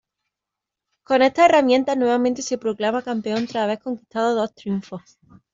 Con estas herramientas, nuevamente se proclama campeón tras haber conquistado dos triunfos.